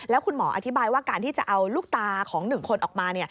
แล้วคุณหมออธิบายว่าการที่จะเอาลูกตาของ๑คนออกมา